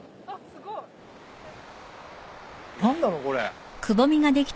これ。